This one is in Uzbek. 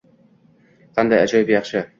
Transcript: Qanday ajoyib yaxshi